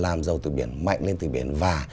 làm giàu từ biển mạnh lên từ biển và